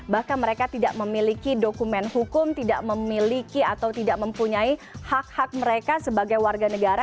bahkan mereka tidak memiliki dokumen hukum tidak memiliki atau tidak mempunyai hak hak mereka sebagai warga negara